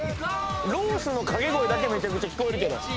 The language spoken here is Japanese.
「ロース」の掛け声だけめちゃくちゃ聞こえるけど。